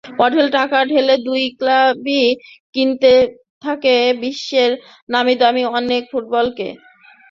অঢেল টাকা ঢেলে দুই ক্লাবই কিনতে থাকে বিশ্বের নামীদামি অনেক ফুটবলারকে।